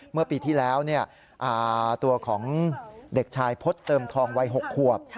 เมื่อปีที่แล้วตัวของเด็กชายพฤษเติมทองวัย๖ขวบ